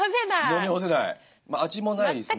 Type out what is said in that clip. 味もないですね